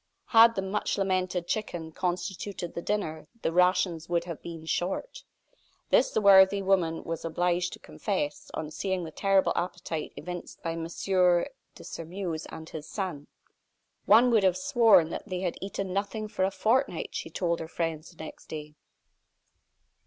Had the much lamented chicken constituted the dinner the rations would have been "short." This the worthy woman was obliged to confess, on seeing the terrible appetite evinced by M. de Sairmeuse and his son. "One would have sworn that they had eaten nothing for a fortnight," she told her friends, the next day.